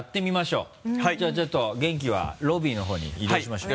じゃあちょっと元気はロビーのほうに移動しましょう。